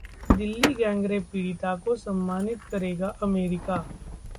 Delhi gangrape पीड़िता को सम्मानित करेगा अमेरिका